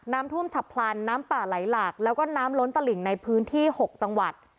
น้ำท่วมฉับพลันน้ำป่าไหลหลากแล้วก็น้ำล้นตลิ่งในพื้นที่๖จังหวัด